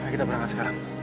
kita berangkat sekarang